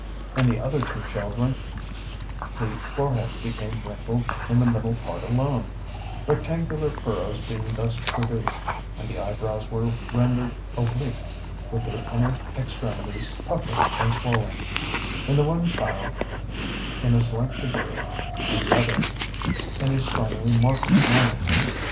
In the other two children the forehead became wrinkled in the middle part alone, rectangular furrows being thus produced; and the eyebrows were rendered oblique, with their inner extremities puckered and swollen,—in the one child in a slight degree, in the other in a strongly marked manner.